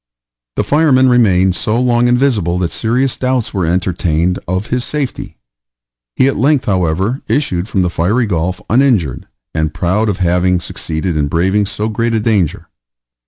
The fireman remained so long invisible that serious doubts were entertained of his safety. He at length, however, issued from the fiery gulf uninjured, and proud of having succeeded in braving so great a danger.